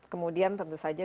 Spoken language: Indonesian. kemudian tentu saja